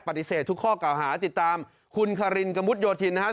ปฏิเสธทุกข้อเก่าหาติดตามคุณคารินกระมุดโยธินนะครับ